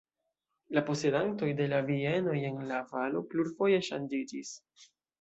La posedantoj de la bienoj en la valo plurfoje ŝanĝiĝis.